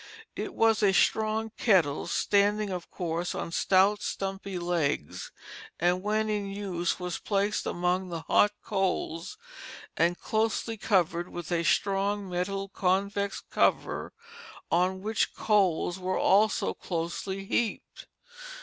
It was a strong kettle, standing, of course, on stout, stumpy legs, and when in use was placed among the hot coals and closely covered with a strong metal, convex cover, on which coals were also closely heaped.